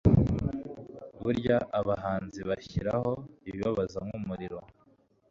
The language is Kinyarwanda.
burya abahanzi bashiraho ibibabaza nkumuriro